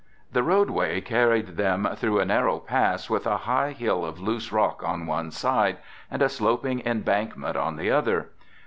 The roadway carried them through a narrow pass with a high hill of loose rock on one side and a sloping embankment on the other.